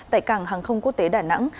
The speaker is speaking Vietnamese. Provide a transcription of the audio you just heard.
tại cảng hàng không quốc tế đà nẵng